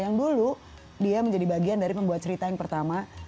yang dulu dia menjadi bagian dari membuat cerita yang pertama